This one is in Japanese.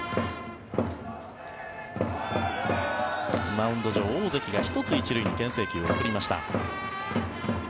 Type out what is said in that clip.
マウンド上、大関が１つ１塁にけん制球を送りました。